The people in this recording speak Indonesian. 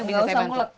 nggak usah mulak